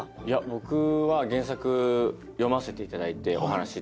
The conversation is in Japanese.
僕は原作読ませていただいてお話頂いてから。